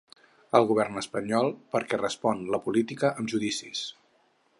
El govern espanyol, perquè respon a la política amb judicis.